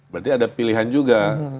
berarti ada pilihan juga